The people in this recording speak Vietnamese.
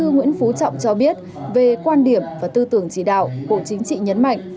nguyễn phú trọng cho biết về quan điểm và tư tưởng chỉ đạo bộ chính trị nhấn mạnh